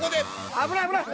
危ない危ない。